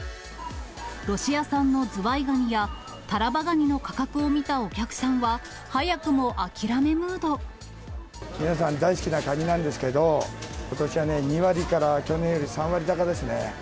ロシア産のズワイガニや、タラバガニの価格を見たお客さんは、皆さん、大好きなカニなんですけど、ことしはね、２割から去年より３割高ですね。